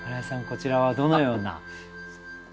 こちらはどのような？